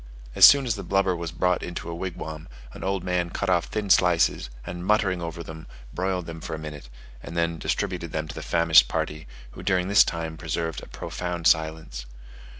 As soon as the blubber was brought into a wigwam, an old man cut off thin slices, and muttering over them, broiled them for a minute, and distributed them to the famished party, who during this time preserved a profound silence.